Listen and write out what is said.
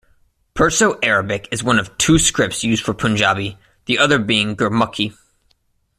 Perso-Arabic is one of two scripts used for Punjabi, the other being Gurmukhi.